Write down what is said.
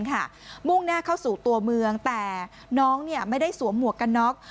มุ่งหน้าเข้าสู่ตัวเมืองแต่น้องไม่ได้สวมหมวกกันน็อก